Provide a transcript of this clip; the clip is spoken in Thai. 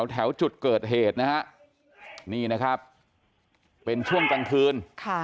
แถวจุดเกิดเหตุนะฮะนี่นะครับเป็นช่วงกลางคืน